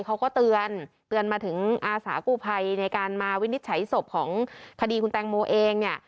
เขาก็เตือนเตือนมาถึงอาสากู้ภัยในการมาวินิจฉัยศพของคดีคุณแตงโมเองเนี่ย